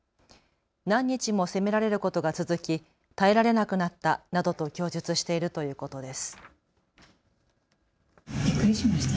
何日も責められることが続き耐えられなくなったなどと供述しているということです。